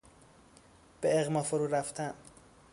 به اغما فرورفتن